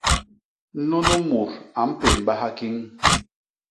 Nunu mut a mpémbaha kiñ.